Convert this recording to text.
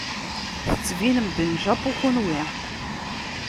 Tettbinem-d n Japu kunwi.